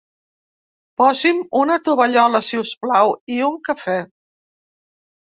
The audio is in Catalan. Posi'm una tovallola, si us plau, i un cafè.